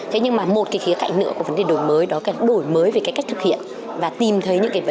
thế nhưng mà một cái khía cạnh nữa của vấn đề đổi mới đó là đổi mới về cách thực hiện và tìm thấy những vấn đề